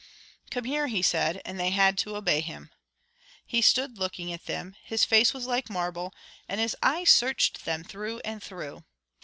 "Come here," he said, and they had to obey him. He stood looking at them. His face was like marble, and his eyes searched them through and through.